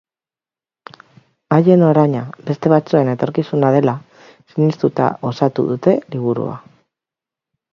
Haien oraina beste batzuen etorkizuna dela sinistuta osatu dute liburua.